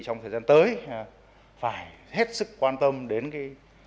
trong thời gian tới phải hết sức quan tâm đến cái